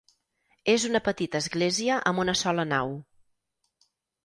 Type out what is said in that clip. És una petita església amb una sola nau.